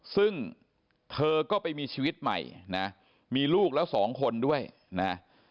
ซึ่งเธอก็ไปมีชีวิตใหม่นะมีลูกแล้วสองคนด้วยนะ